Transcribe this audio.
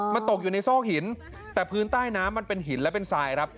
มันตกอยู่ในซอกหินแต่พื้นใต้น้ำมันเป็นหินและเป็นทรายครับ